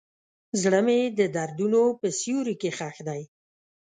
زړه مې د دردونو په سیوري کې ښخ دی.